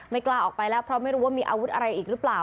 กล้าออกไปแล้วเพราะไม่รู้ว่ามีอาวุธอะไรอีกหรือเปล่า